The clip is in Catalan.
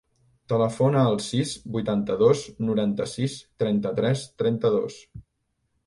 Telefona al sis, vuitanta-dos, noranta-sis, trenta-tres, trenta-dos.